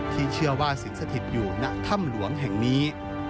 ที่เชื่อว่าสิงสถิตอยู่ณถ้ำหลวงแห่งนี้